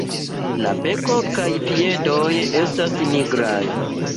La beko kaj piedoj estas nigraj.